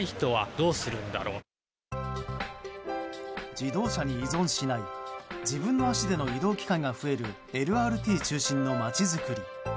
自動車に依存しない自分の足での移動機会が増えるＬＲＴ中心の街づくり。